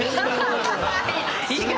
意外！